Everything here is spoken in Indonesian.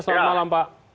selamat malam pak